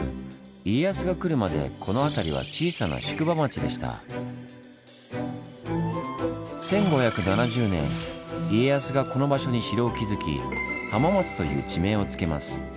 家康が来るまでこの辺りは１５７０年家康がこの場所に城を築き「浜松」という地名を付けます。